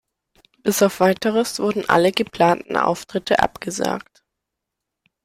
Bis auf weiteres wurden alle geplanten Auftritte abgesagt.